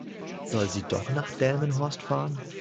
Soll sie doch nach Delmenhorst fahren?